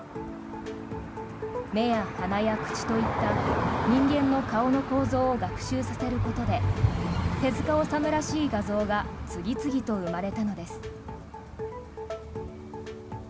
目や鼻や口といった人間の顔の構造を学習させることで手塚治虫らしい画像が次々と生まれたのです。